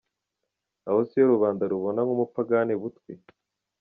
Aho siyo rubanda rubona nk’umupagani butwi?